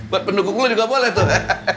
buat pendukung lo juga boleh tuh